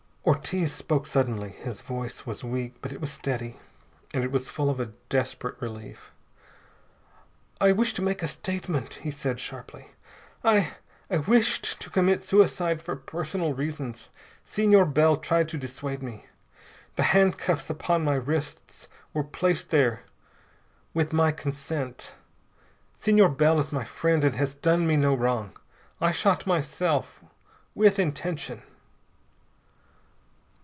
Ortiz spoke suddenly. His voice was weak, but it was steady, and it was full of a desperate relief. "I wish to make a statement," he said sharply. "I I wished to commit suicide for personal reasons. Senor Bell tried to dissuade me. The handcuffs upon my wrists were placed there with my consent. Senor Bell is my friend and has done me no wrong. I shot myself, with intention."